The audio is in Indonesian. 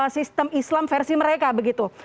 sistem islam versi mereka begitu